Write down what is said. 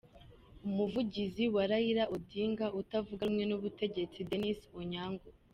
Umuvugizi wa Raila Odinga utavuga rumwe n’ubutegetsi, Dennis Onyango,.